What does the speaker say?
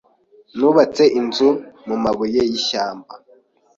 Nubatse inzu mumabuye yishyamba.